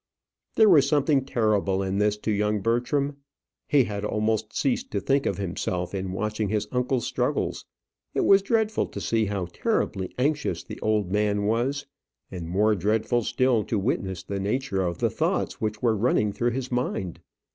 There was something terrible in this to young Bertram. He had almost ceased to think of himself in watching his uncle's struggles. It was dreadful to see how terribly anxious the old man was, and more dreadful still to witness the nature of the thoughts which were running through his mind.